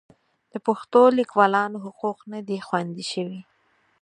د پښتو لیکوالانو حقوق نه دي خوندي شوي.